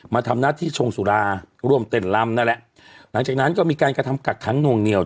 มาทำหน้าที่ชงสุราร่วมเต้นลำนั่นแหละหลังจากนั้นก็มีการกระทำกักขังหน่วงเหนียว